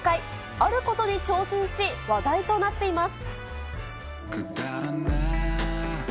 あることに挑戦し、話題となっています。